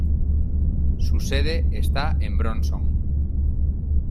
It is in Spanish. Su sede está en Bronson.